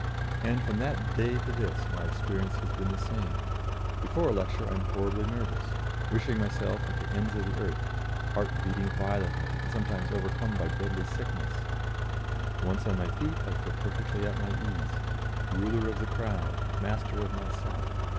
And from that day to this my experience has been the same; before a lecture I am horribly nervous, wishing myself at the ends of the earth, heart beating violently, and sometimes overcome by deadly sickness. Once on my feet, I feel perfectly at my ease, ruler of the crowd, master of myself.